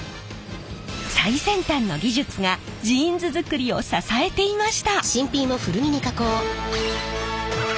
最先端の技術がジーンズ作りを支えていました！